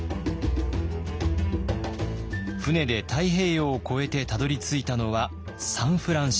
船で太平洋を越えてたどりついたのはサンフランシスコ。